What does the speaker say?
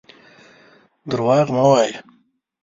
درواغ مه وايه.